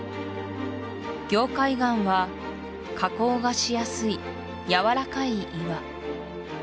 凝灰岩は加工がしやすいやわらかい岩